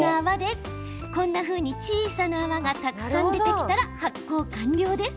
こんなふうに小さな泡がたくさん出てきたら発酵完了です。